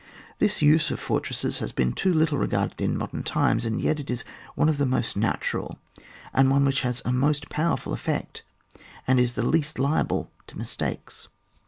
This use of fortresses has been too little regarded in modem times, and yet it is one of the most natural, and one which has a most powerful effect, and is the least liable to mistakes.